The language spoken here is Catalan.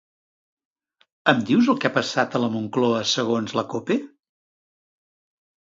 Em dius el que ha passat a la Moncloa segons la "Cope"?